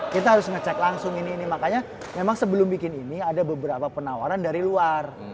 kita harus ngecek langsung ini ini makanya memang sebelum bikin ini ada beberapa penawaran dari luar